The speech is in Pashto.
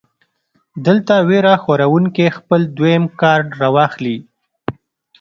دلته وېره خوروونکے خپل دويم کارډ راواخلي -